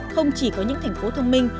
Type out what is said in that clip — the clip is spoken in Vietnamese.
không chỉ có những thành phố thông minh